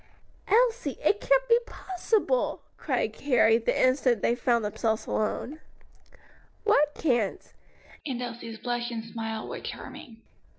"Elsie, it can't be possible!" cried Carrie, the instant they found themselves alone. "What can't?"